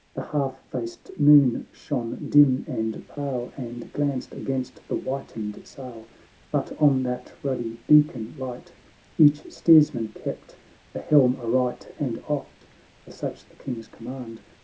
The half faced moon shone dim and pale, And glanced against the whitened sail ; But on that ruddy beacon light Each steersman kept the helm aright, And oft, for such the King's command.